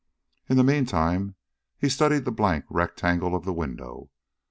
In the meantime he studied the blank rectangle of the window.